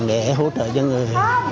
để hỗ trợ cho người